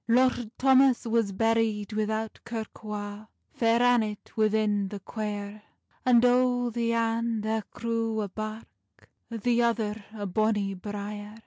Lord Thomas was buried without kirk wa, Fair Annet within the quiere, And o the ane thair grew a birk, The other a bonny briere.